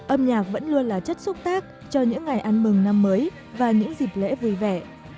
âm nhạc vẫn luôn là chất xúc tác cho những ngày ăn mừng năm mới và những dịp lễ vui vẻ